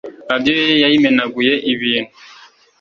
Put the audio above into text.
radio ye yayimenaguyeibintu